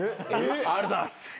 ありがとうございます。